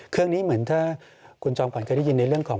เครื่องนี้เหมือนถ้าคุณจอมขวัญเคยได้ยินในเรื่องของ